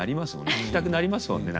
聞きたくなりますもんね